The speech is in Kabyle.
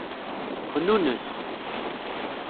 Xnunes.